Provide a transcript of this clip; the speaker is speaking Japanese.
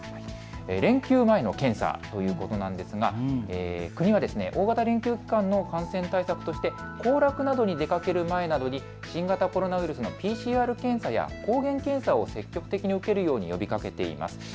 連休前の検査ということなんですが国は大型連休期間の感染対策として行楽などに出かける前などに新型コロナウイルスのＰＣＲ検査や抗原検査を積極的に受けるように呼びかけています。